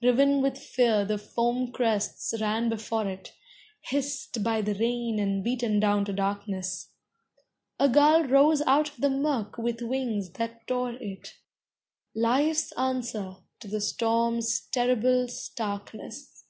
Riven with fear the foam crests ran before it, Hissed by the rain and beaten down to darkness. A gull rose out of the murk with wings that tore it Life's answer to the storm's terrible starkness.